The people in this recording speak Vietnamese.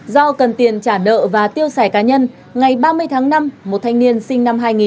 do cần tiền trả nợ và tiêu xài cá nhân ngày ba mươi tháng năm một thanh niên sinh năm hai nghìn